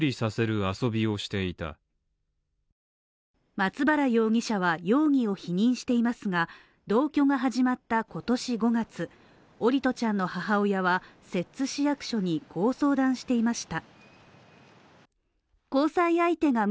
松原容疑者は容疑を否認していますが、同居が始まった今年５月桜利斗ちゃんの母親は摂津市役所にこう相談していました。